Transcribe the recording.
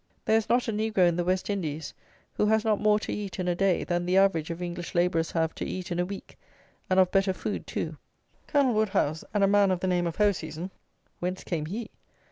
There is not a negro in the West Indies who has not more to eat in a day, than the average of English labourers have to eat in a week, and of better food too. Colonel Wodehouse and a man of the name of Hoseason (whence came he?)